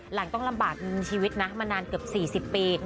หลังต้องลำบากชีวิตนะมานานเกือบ๔๐ปี